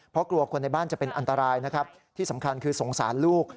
เพราะกลัวคนในบ้านจะเป็นอันตรายนะครับที่สำคัญคือสงสารลูก